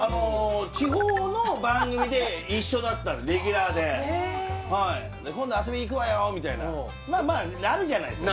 地方の番組で一緒だったレギュラーで「今度遊びに行くわよ」みたいなまあまあなるじゃないですか